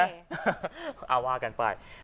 เอาว่ากันไป